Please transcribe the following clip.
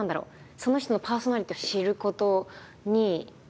その人のパーソナリティを知ることにいくのか